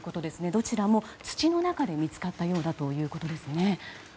どちらも土の中で見つかったようだということですね。